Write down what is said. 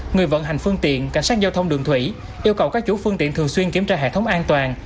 người vận hành phương tiện cảnh sát giao thông đường thủy yêu cầu các chủ phương tiện thường xuyên kiểm tra hệ thống an toàn